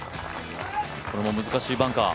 これも難しいバンカー。